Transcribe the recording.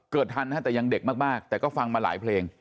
ทันนะฮะแต่ยังเด็กมากแต่ก็ฟังมาหลายเพลง